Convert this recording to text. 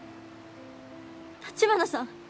橘さん